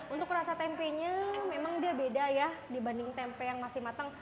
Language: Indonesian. untuk rasa tempenya memang dia beda ya dibanding tempe yang masih matang